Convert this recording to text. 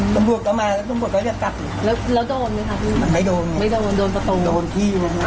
ปากกับภูมิปากกับภูมิ